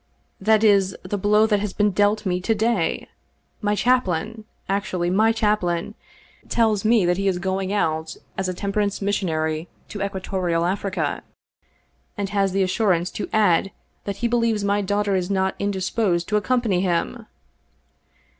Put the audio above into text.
" That is the blow that has been dealt me to day. My chaplain — ^actually, my chap* lain — ^tells me that he is going out as a temperance mis sionary to equatorial Africa, and has the assurance to add that he believes my daughter is not indisposed to accom pany him